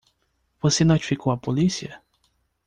Você notificou a polícia?